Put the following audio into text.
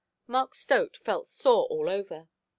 Mark Stote felt sore all over.